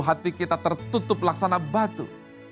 hati kita tertutup laksana batu